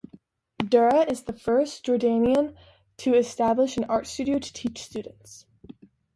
Durra is the first Jordanian to establish an art studio to teach students.